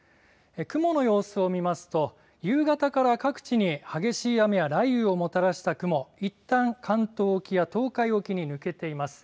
雲の様子を見ますと夕方から各地に激しい雨や雷雨をもたらした雲いったん、関東沖や東海沖に抜けています。